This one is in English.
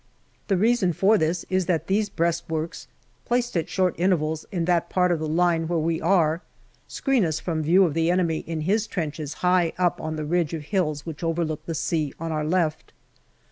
The reason for this is that these breastworks, placed at short intervals in that part of the line where we are, screen us from view of the enemy in his trenches high up on the ridge of hills which overlook the sea on our left.